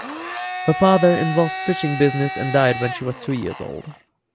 Her father involved fishing business and died when she was two years old.